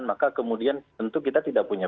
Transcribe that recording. maka kemudian tentu kita tidak punya